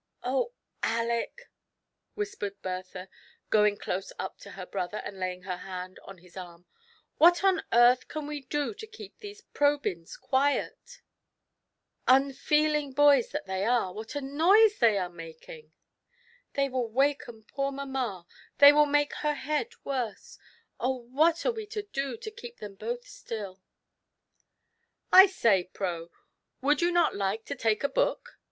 "Oh, Aleck," whispered Bertha^ goii^g close up to her brother, and laying her hand on his arm, "what on earth can we do to keep these Probyns quiet ? Unfoel 68 TRIALS AND TROUBLES. ing boys that they are, what a noise they are making ! They will waken poor mamma; they will make her head worse. Oh, what are we to do to keep them both stiU?" "I say, Pro, would you not like to take a book?"